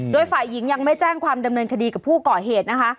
โดยฝ่ายหญิงยังไม่แจ้งความดำเนินคดีกับผู้ก่อเหตุนะคะ